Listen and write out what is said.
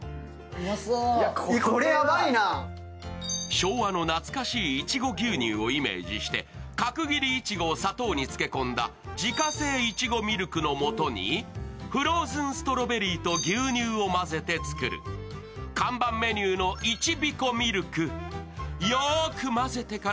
昭和の懐かしいいちご牛乳をイメージして角切りいちごを砂糖に漬け込んだ自家製いちごミルクのもとにフローズンストロベリーと牛乳を混ぜて作る、看板メニューのいちびこミルク。